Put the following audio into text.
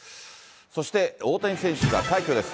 そして大谷選手が快挙です。